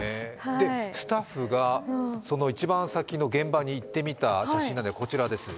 スタッフがその一番最近の現場に行ってみた写真がこちらです。